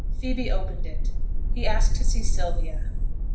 Phoebe opened it. He asked to see Sylvia.